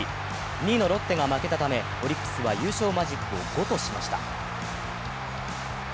２位のロッテが負けたため、オリックスは優勝マジックを５としました。